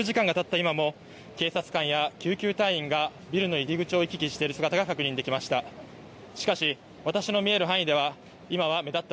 今も警察官や救急隊員がビルの入り口を行き来している姿が確認できました。